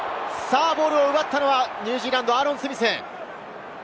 ボールを奪ったのはニュージーランド、アーロン・スミス。